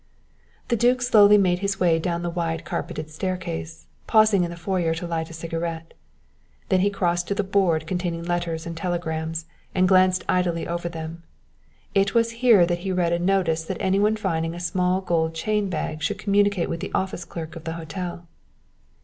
The duke slowly made his way down the wide carpeted staircase, pausing in the foyer to light a cigarette. Then he crossed to the board containing letters and telegrams and glanced idly over them. It was here that he read a notice that any one finding a small gold chain bag should communicate with the office clerk of the hotel.